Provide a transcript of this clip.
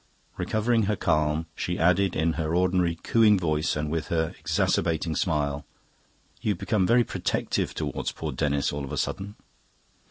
Recovering her calm, she added in her ordinary cooing voice and with her exacerbating smile, "You've become very protective towards poor Denis all of a sudden."